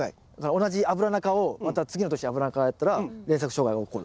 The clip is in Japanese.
同じアブラナ科をまた次の年アブラナ科をやったら連作障害がおこる？